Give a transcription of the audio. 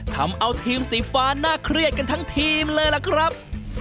ทำเอาทีมสีฟ้าน่าเครียดกันทั้งทีมเลยล่ะครับ